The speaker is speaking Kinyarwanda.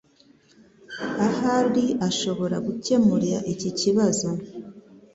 Ahari ashobora gukemura iki kibazo